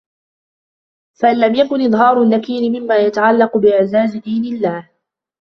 فَإِنْ لَمْ يَكُنْ إظْهَارُ النَّكِيرِ مِمَّا يَتَعَلَّقُ بِإِعْزَازِ دِينِ اللَّهِ